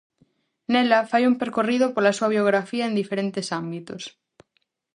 Nela fai un percorrido pola súa biografía en diferentes ámbitos.